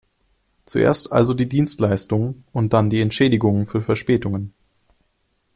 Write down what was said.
Zuerst also die Dienstleistung und dann die Entschädigungen für Verspätungen.